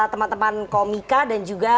teman teman komika dan juga